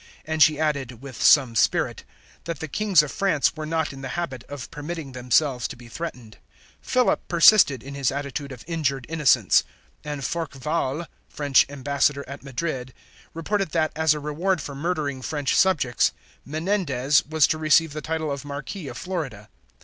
And she added, with some spirit, that the Kings of France were not in the habit of permitting themselves to be threatened. Philip persisted in his attitude of injured innocence; and Forquevaulx, French ambassador at Madrid, reported that, as a reward for murdering French subjects, Menendez was to receive the title of Marquis of Florida.